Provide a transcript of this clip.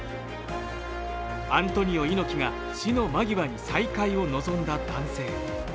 アントニオ猪木が死の間際に再会を望んだ男性。